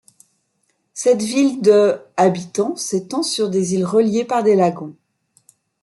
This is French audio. Cette ville de habitants s'étend sur des îles reliées par des lagons.